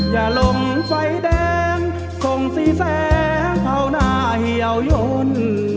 อย่าลมไฟแดงส่งสีแสงเข้าหน้าเหี่ยวยน